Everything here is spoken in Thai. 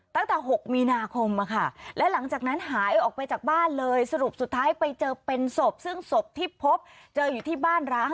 ตั้งแต่๖มีนาคมและหลังจากนั้นหายออกไปจากบ้านเลยสรุปสุดท้ายไปเจอเป็นศพซึ่งศพที่พบเจออยู่ที่บ้านร้าง